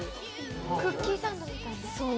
クッキーサンドみたいな？